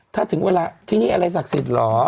ถ้าถึงเวลาที่นี่อะไรศักดิ์สิทธิ์เหรอ